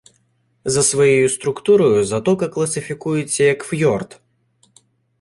За своєю структурою затока класифікується як фйорд.